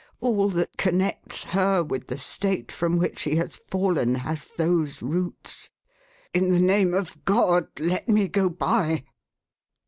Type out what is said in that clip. "All that connects her with the state from which she has fallen, has those roots ! In the name of God, let me go by